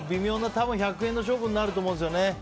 多分１００円の勝負になると思うんですよね。